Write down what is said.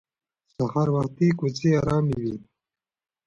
سهار وختي کوڅې ارامې وي